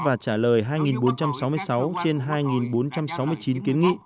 và trả lời hai bốn trăm sáu mươi sáu trên hai bốn trăm sáu mươi chín kiến nghị